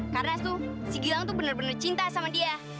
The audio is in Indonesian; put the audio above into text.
karena tuh si gilang tuh bener bener cinta sama dia